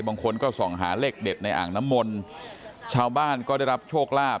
บางคนก็ส่องหาเลขเด็ดในอ่างน้ำมนต์ชาวบ้านก็ได้รับโชคลาภ